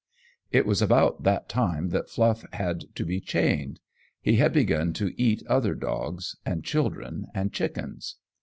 It was about that time that Fluff had to be chained. He had begun to eat other dogs, and children and chickens.